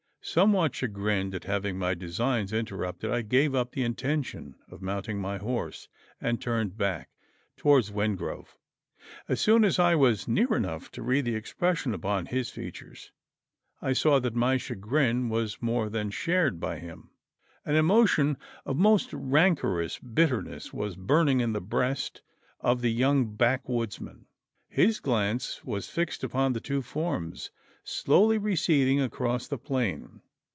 Somewhat chagrined at having my designs interrupted, I gave up the intention of mounting my horse, and turned back towards Wingrove. As soon as I was near enough to read the expression upon his features, I saw that my chagrin was more than shared by him. An emotion of most rancorous bitterness was burning in the breast of the young backwoodsman. His glance was fixed upon the two forms slowly receding across the plain.